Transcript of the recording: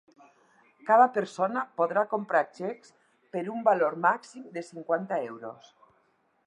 Cada persona podrà comprar xecs per un valor màxim de cinquanta euros.